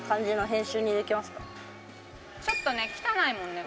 ちょっとね汚いもんね。